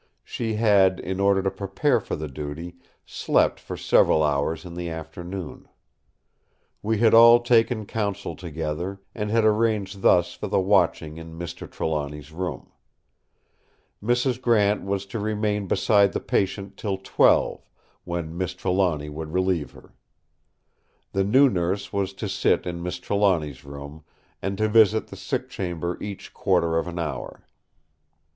She had, in order to prepare for the duty, slept for several hours in the afternoon. We had all taken counsel together, and had arranged thus for the watching in Mr. Trelawny's room. Mrs. Grant was to remain beside the patient till twelve, when Miss Trelawny would relieve her. The new nurse was to sit in Miss Trelawny's room, and to visit the sick chamber each quarter of an hour.